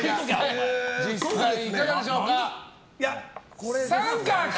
実際いかがでしょうか。